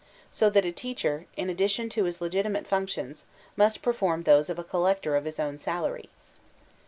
So that a teacher, m addition to his legitimate functions, must perform those of collector of his own salary.